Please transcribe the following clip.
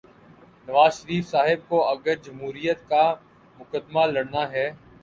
نواز شریف صاحب کو اگر جمہوریت کا مقدمہ لڑنا ہے۔